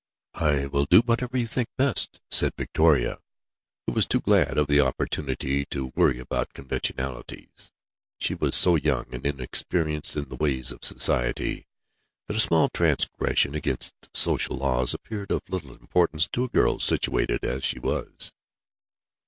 "I will do whatever you think best," said Victoria, who was too glad of the opportunity to worry about conventionalities. She was so young, and inexperienced in the ways of society, that a small transgression against social laws appeared of little importance to a girl situated as she was.